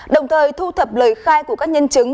đồng thời thu thập lời khai của các nhân chứng